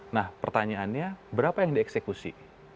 nah pertanyaannya berapa yang dieksekusi